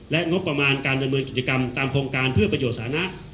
และงบประมาณการดำเนินกิจกรรมตามโครงการเพื่อประโยชน์สานะ